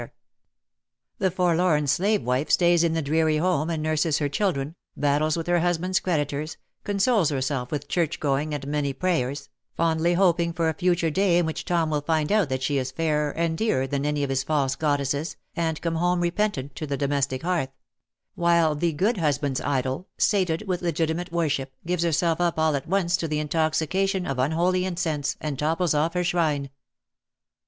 182 "thou shouldst come like a FURy The forlorn slave wife stays in the dreary home and nurses her children, battles with her husband^s creditors, consoles herself with church going and many prayers^ fondly hoping for a future day in which Tom will find out that she is fairer and dearer than any of his false goddesses, and come home repentant to the domestic hearth : while the good husband^s idol, sated with legitimate worship, gives herself up all at once to the intoxication of unholy incense, and topples off her shrine.